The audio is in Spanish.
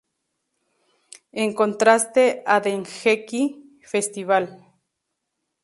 En contraste a "Dengeki G's Festival!